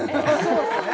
そうですよね